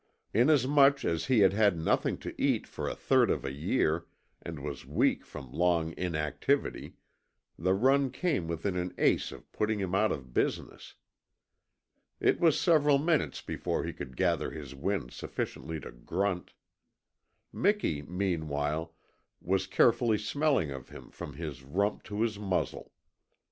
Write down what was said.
Inasmuch as he had had nothing to eat for a third of a year, and was weak from long inactivity, the run came within an ace of putting him out of business. It was several minutes before he could gather his wind sufficiently to grunt. Miki, meanwhile, was carefully smelling of him from his rump to his muzzle.